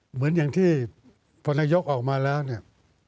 เหมือนอย่างที่พอนายกออกมาแล้วเนี่ย